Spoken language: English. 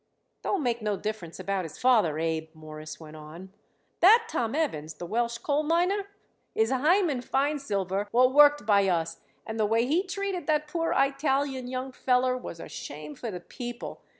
"Don't make no difference about his father, Abe," Morris went on. "That Tom Evans, the Welsh coal miner, is Hyman Feinsilver what worked by us, and the way he treated that poor Eyetalian young feller was a shame for the people.